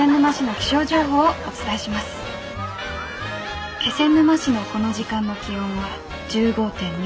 気仙沼市のこの時間の気温は１５．２度。